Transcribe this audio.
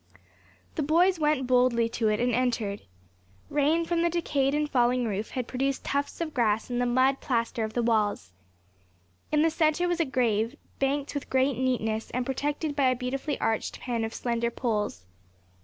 The boys went boldly to it, and entered. Rain from the decayed and falling roof had produced tufts of grass in the mud plaster of the walls. In the centre was a grave, banked with great neatness, and protected by a beautifully arched pen of slender poles.